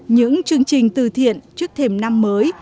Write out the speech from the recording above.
những chương trình từ thiện trước thềm năm mới